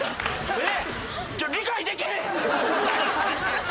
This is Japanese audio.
えっ！？